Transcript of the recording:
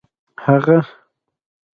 هغه